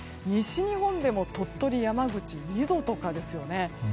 西日本でも鳥取、山口は２度とかですよね。